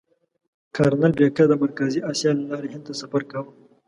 کرنل بېکر د مرکزي اسیا له لارې هند ته سفر کاوه.